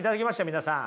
皆さん。